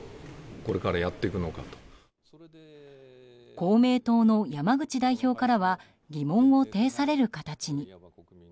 公明党の山口代表からは疑問を呈される形に。